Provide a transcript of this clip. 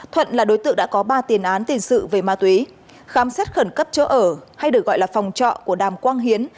thuận là đối tượng đã có ba tiền án tiền sự về ma túy khám xét khẩn cấp chỗ ở hay được gọi là phòng trọ của đàm quang hiến